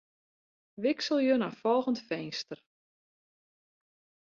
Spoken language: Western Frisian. Wikselje nei folgjend finster.